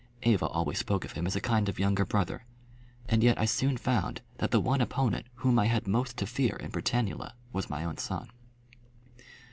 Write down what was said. Eva always spoke of him as a kind of younger brother. And yet I soon found that the one opponent whom I had most to fear in Britannula was my own son.